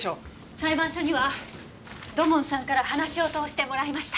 裁判所には土門さんから話を通してもらいました。